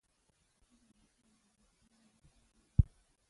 پسه د افغانستان د جغرافیې یوه ښه بېلګه ده.